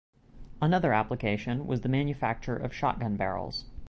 Another application was the manufacture of shotgun barrels.